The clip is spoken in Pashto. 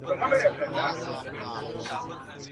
بېله ځنډه به دې یوسي تر خپل کلي.